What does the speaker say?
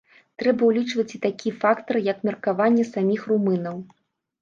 Трэба ўлічваць і такі фактар, як меркаванне саміх румынаў.